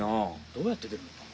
どうやってでるのかな？